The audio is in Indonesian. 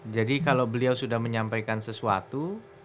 jadi kalau beliau sudah menyampaikan sesuatu